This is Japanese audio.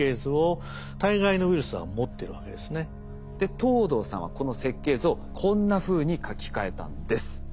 藤堂さんはこの設計図をこんなふうに書き換えたんです。